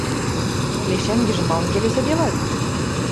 — Лешӓнгӹжӹ малын келесӹделат?